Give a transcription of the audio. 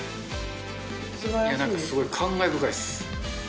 なんかすごい感慨深いです。